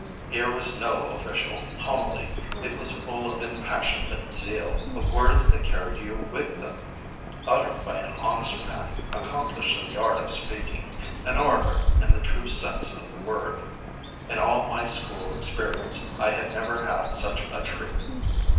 Here was no official homily: it was full of impassioned zeal, of words that carried you with them, uttered by an honest man accomplished in the art of speaking, an orator in the true sense of the word. In all my school experience, I had never had such a treat.